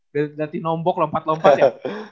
berarti nombok lompat lompat ya